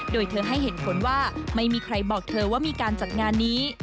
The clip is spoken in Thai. โดยเธอให้เหตุผลว่าไม่มีใครบอกเธอว่ามีการจัดงานนี้